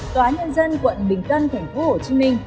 tòa nhân dân quận bình tân tp hcm